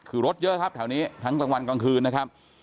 คือรถเยอะครับแถวนี้ทั้งกลางวันกลางคืนนะครับ